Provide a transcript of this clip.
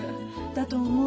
だと思う。